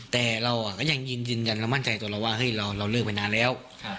แต่เราก็ยังยืนยันเรามั่นใจตัวเราว่าเฮ้ยเราเลิกไปนานแล้ว